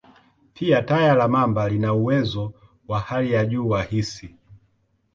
Pia, taya la mamba lina uwezo wa hali ya juu wa hisi.